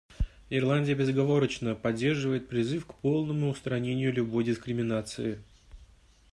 Ирландия безоговорочно поддерживает призыв к полному устранению любой дискриминации.